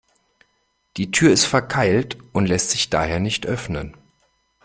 Die Tür ist verkeilt und lässt sich daher nicht öffnen.